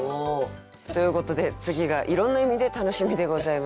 ということで次がいろんな意味で楽しみでございます。